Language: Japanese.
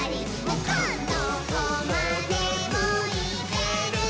「どこまでもいけるぞ！」